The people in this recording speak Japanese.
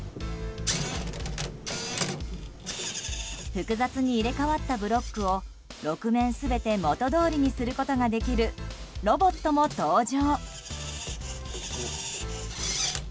複雑に入れ替わったブロックを６面全て元通りにすることができるロボットも登場。